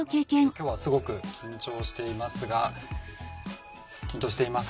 今日はすごく緊張していますが緊張しています。